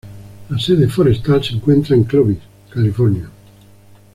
La sede forestal se encuentra en Clovis, California.